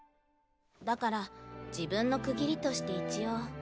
だから自分の区切りとして一応。